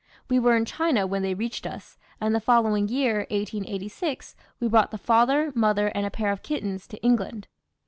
We were in China when they reached us, and the following year, 1886, we brought the father, mother, and a pair of kittens to England.